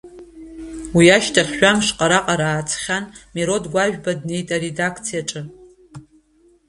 Уи ашьҭахь жәамш раҟара ааҵхьаны Мирод Гәажәба днеит аредакциаҿы.